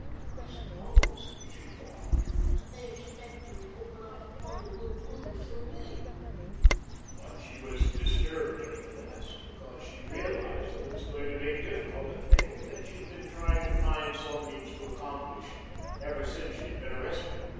"I suppose," she thought, "that they expect to open up a fund of new clues through me," but she was disturbed nevertheless, because she realized that it was going to make difficult a thing that she had been trying to find some means to accomplish ever since she had been arrested.